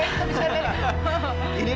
kita bisa dari